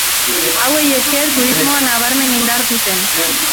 Hauei esker turismoa nabarmen indartu zen.